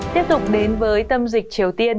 tiếp tục đến với tâm dịch triều tiên